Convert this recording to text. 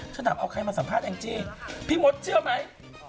ถามเอาใครมาสัมภาษแองจี้พี่มดเชื่อไหม